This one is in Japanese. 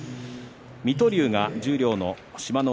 水戸龍が新十両の志摩ノ